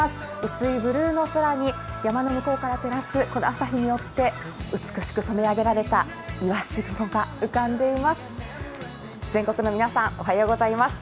薄いブルーの空に山の向こうからテラスこの朝日によって美しく染め上げられたいわし雲が浮かんでいます。